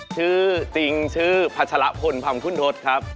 ชื่อจริงชื่อพัชละพลพร่ำคุณทศครับ